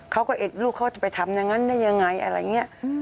เขาก็เอ็ดลูกเขาจะไปทำอย่างนั้นได้ยังไงอะไรอย่างนี้